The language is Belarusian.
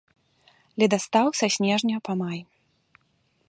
Ледастаў са снежня па май.